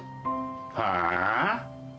はあ？